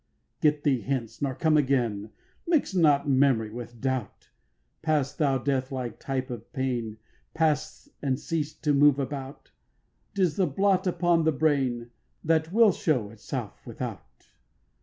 8. Get thee hence, nor come again, Mix not memory with doubt, Pass, thou deathlike type of pain, Pass and cease to move about, 'Tis the blot upon the brain That will show itself without.